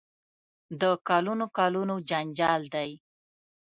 د کلونو کلونو جنجال دی.